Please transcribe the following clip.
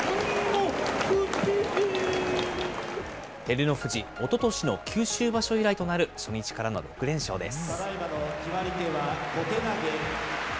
照ノ富士、おととしの九州場所以来となる、初日からの６連勝です。